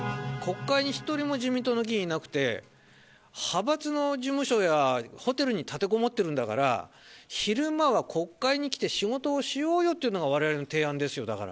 国会に一人も自民党の議員がいなくて、派閥の事務所やホテルに立てこもってるんだから、昼間は国会に来て仕事をしようよっていうのがわれわれの提案ですよ、だから。